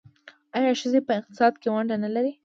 آیا ښځې په اقتصاد کې ونډه نلري؟